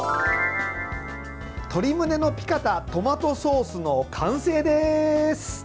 鶏むねのピカタトマトソースの完成です。